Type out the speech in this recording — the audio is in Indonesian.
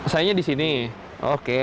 sayanya di sini oke